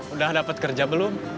udah dapat kerja belum